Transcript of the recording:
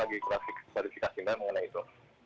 kita lagi kualifikasi mbak mengenai itu